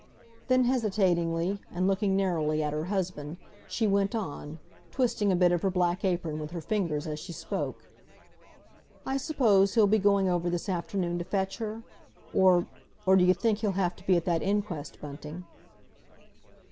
Then hesitatingly, and looking narrowly at her husband, she went on, twisting a bit of her black apron with her fingers as she spoke:—"I suppose he'll be going over this afternoon to fetch her? Or—or d'you think he'll have to be at that inquest, Bunting?"